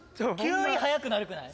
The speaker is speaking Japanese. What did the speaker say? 急に速くなるくない？